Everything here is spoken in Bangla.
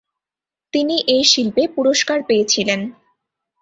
তিনি এ শিল্পে পুরস্কার পেয়েছিলেন।